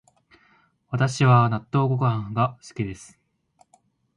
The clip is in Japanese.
私は納豆ご飯が好きです